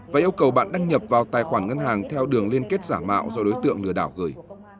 và yêu cầu bạn đăng nhập vào tài khoản ngân hàng theo đường liên kết giả mạo do đối tượng lừa đảo gửi